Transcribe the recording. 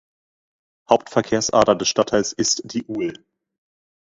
Hauptverkehrsader des Stadtteils ist die ul.